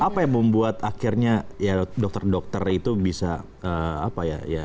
jadi membuat akhirnya dokter dokter itu bisa apa ya